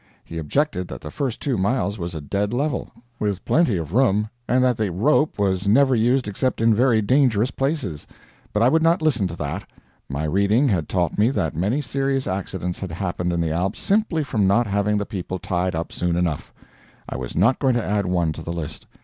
He objected that the first two miles was a dead level, with plenty of room, and that the rope was never used except in very dangerous places. But I would not listen to that. My reading had taught me that many serious accidents had happened in the Alps simply from not having the people tied up soon enough; I was not going to add one to the list.